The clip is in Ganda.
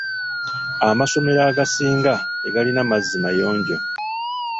Amasomero agasinga tegalina mazzi mayonjo.